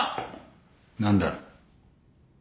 何だ？